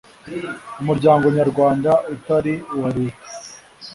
umuryango nyarwanda utari uwa reta